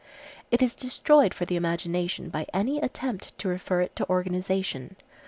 It is destroyed for the imagination by any attempt to refer it to organization.